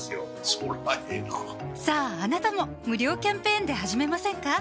そりゃええなさぁあなたも無料キャンペーンで始めませんか？